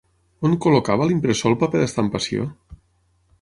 On col·locava l'impressor el paper d'estampació?